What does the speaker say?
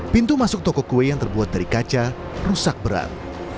pintu masuk toko kue yang terbuat dari kaca rusak berat